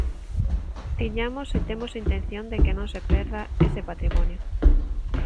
Tiñamos e temos a intención de que non se perda ese patrimonio.